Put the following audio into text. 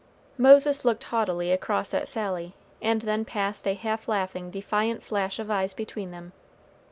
Moses looked haughtily across at Sally, and then passed a half laughing defiant flash of eyes between them.